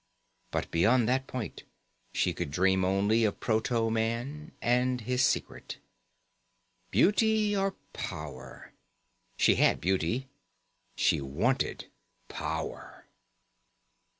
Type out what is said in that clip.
But beyond that point, she could dream only of proto man and his secret. Beauty or power? She had beauty. She wanted power.